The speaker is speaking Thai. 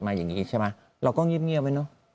มาอย่างนี้ใช่ไหมเราก็หยิบเงียบไปเนาะ